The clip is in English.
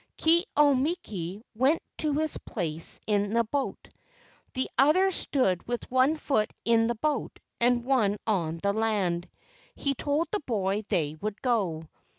Ke au miki went to his place in the boat. The other stood with one foot in the boat and one on the land. He told the boy they would go.